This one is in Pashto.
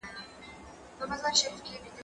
زه اوږده وخت سندري اورم وم!.